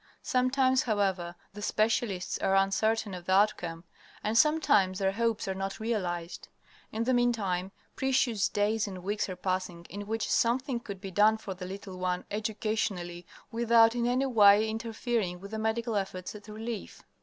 Sometimes, however, the specialists are uncertain of the outcome, and sometimes their hopes are not realized. In the meantime, precious days and weeks are passing in which something could be done for the little one educationally, without in any way interfering with the medical efforts at relief.